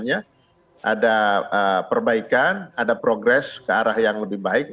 ada perbaikan ada progres ke arah yang lebih baik